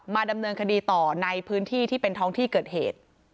ดำเนินคดีต่อในพื้นที่ที่เป็นท้องที่เกิดเหตุ